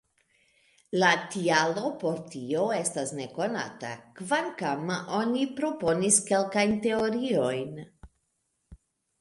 La tialo por tio estas nekonata, kvankam oni proponis kelkajn teoriojn.